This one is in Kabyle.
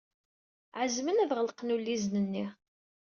Ɛezmen ad ɣelqen lluzin-nni.